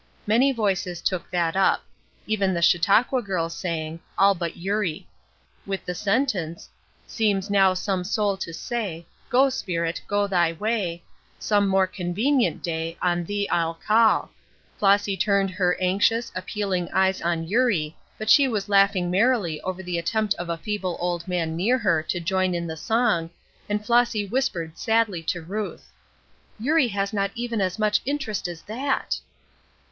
Many voices took that up. Even the Chautauqua girls sang, all but Eurie. With the sentence: "Seems now some soul to say, Go, spirit, go thy way; Some more convenient day On thee I'll call." Flossy tamed her anxious, appealing eyes on Eurie, but she was laughing merrily over the attempt of a feeble old man near her to join in the song, and Flossy whispered sadly to Ruth: "Eurie has not even as much interest as that."